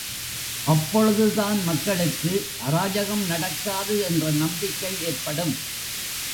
அப்பொழுதுதான் மக்களுக்கு அராஜகம் நடக்காது என்ற நம்பிக்கை ஏற்படும்.